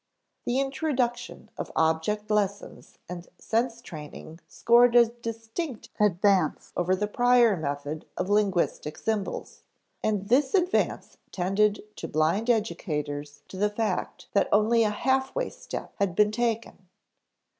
The introduction of object lessons and sense training scored a distinct advance over the prior method of linguistic symbols, and this advance tended to blind educators to the fact that only a halfway step had been taken.